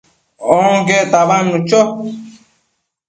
onquec tabadnu cho